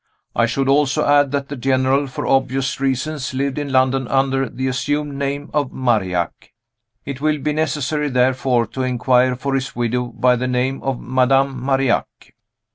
I should also add that the General, for obvious reasons, lived in London under the assumed name of Marillac. It will be necessary, therefore, to inquire for his widow by the name of Madame Marillac.